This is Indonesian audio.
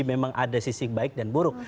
memang ada sisi baik dan buruk